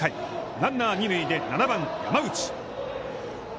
ランナー二塁で、７番山内。